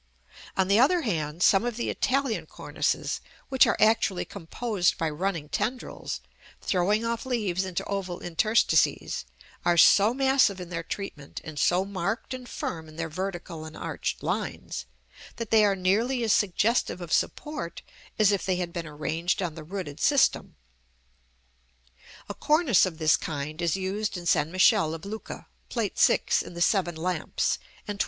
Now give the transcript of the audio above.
On the other hand, some of the Italian cornices which are actually composed by running tendrils, throwing off leaves into oval interstices, are so massive in their treatment, and so marked and firm in their vertical and arched lines, that they are nearly as suggestive of support as if they had been arranged on the rooted system. A cornice of this kind is used in St. Michele of Lucca (Plate VI. in the "Seven Lamps," and XXI.